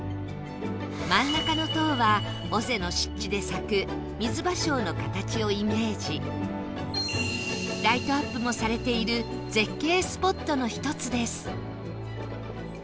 真ん中の塔は尾瀬の湿地で咲くライトアップもされている絶景スポットの一つです